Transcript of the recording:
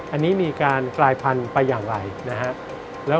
อันนี้มีการกลายพันธุ์ไปอย่างไรนะครับ